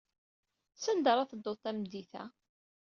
Sanda ara teddud tameddit-a?